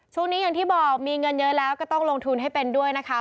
ช่วงนี้อย่างที่บอกมีเงินเยอะแล้วก็ต้องลงทุนให้เป็นด้วยนะคะ